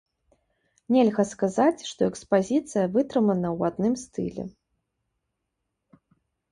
Нельга сказаць, што экспазіцыя вытрымана ў адным стылі.